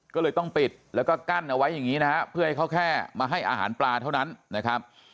ก็เลยต้องปิดแล้วก็กั้นเอาไว้อย่างนี้นะฮะเพื่อให้เขาแค่มาให้อาหารปลาเท่านั้นนะครับ